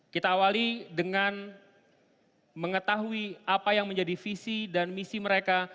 kita awali dengan mengetahui apa yang menjadi visi dan misi mereka